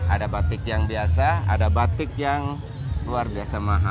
ada batik yang biasa ada batik yang luar biasa mahal